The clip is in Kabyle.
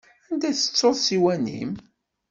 Anda i tettuḍ ssiwan-im?